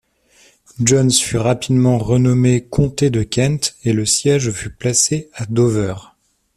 Jones fut rapidement renommé comté de Kent et le siège fut placé à Dover.